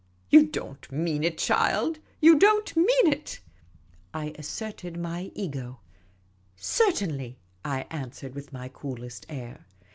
" You don't mean it, child ; you don't mean it ?" I asserted my Ego. " Certainly," I answered, with my coolest air.